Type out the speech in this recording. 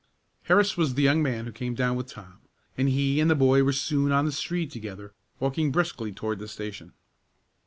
Harris was the young man who came down with Tom, and he and the boy were soon on the street together, walking briskly toward the station.